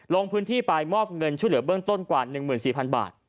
ลงพื้นที่ไปมอบเงินช่วยเหลือเบื้องต้นกว่า๑๔๐๐๐บาท